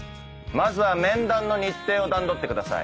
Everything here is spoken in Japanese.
まずは面談の日程を段取ってください。